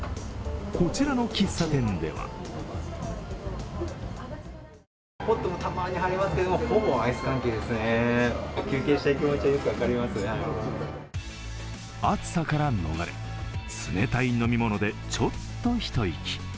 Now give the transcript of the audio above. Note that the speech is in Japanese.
こちらの喫茶店では暑さから逃れ、冷たい飲み物でちょっと一息。